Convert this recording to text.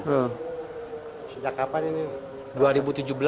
sejak kapan ini